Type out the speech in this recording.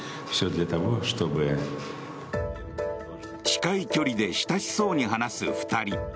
近い距離で親しそうに話す２人。